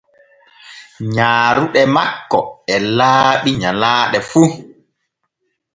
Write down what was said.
Nyaaruɗe makko e laaɓi nyallane fu.